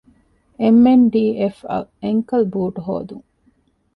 އެމް.އެން.ޑީ.އެފްއަށް އެންކަލް ބޫޓު ހޯދުން